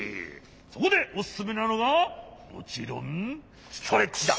そこでおすすめなのがもちろんストレッチだ！